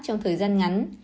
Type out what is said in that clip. trong thời gian ngắn